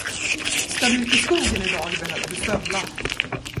Ska du ut i skogen idag behöver du stövlar.